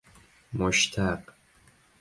مشتق